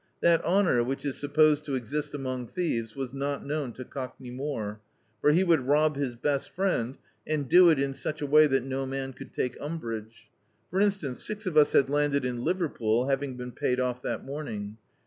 That honour which is supposed to exist among thieves, was not known to Cockney More, for he would rob his best friend, and do it in such a way that no man could take umbrage. For instance, six of us bad landed in Liverpool, having been paid oS that morning.